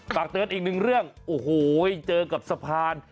ฝากเตือนอีกหนึ่งเรื่องโอ้โหเจอกับสะพาน